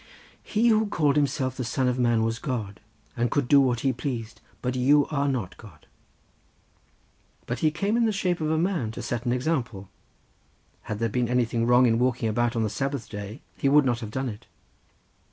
"He who called Himself the Son of Man was God, and could do what He pleased, but you are not God." "But He came in the shape of a man to set an example. Had there been anything wrong in walking about on the Sabbath day, He would not have done it."